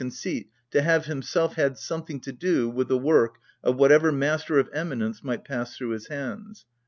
conceit " to have himself had something to do with the work of whatever master of eminence might pass through his hands."